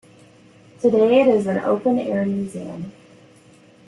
Today it is an open-air museum.